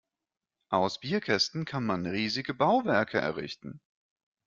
Aus Bierkästen kann man riesige Bauwerke errichten.